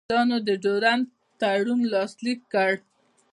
انګرېزانو د ډیورنډ تړون لاسلیک کړ.